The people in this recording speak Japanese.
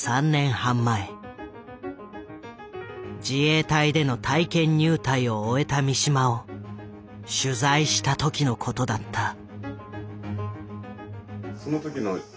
自衛隊での体験入隊を終えた三島を取材した時のことだった。